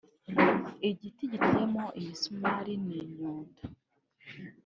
igiti giteyemo imisumari n’inyundo